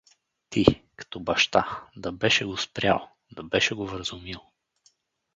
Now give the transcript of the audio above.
Ти, като баща, да беше го спрял, да беше го вразумил.